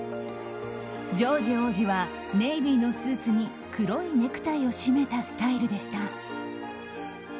ジョージ王子はネイビーのスーツに黒いネクタイを締めたスタイルでした。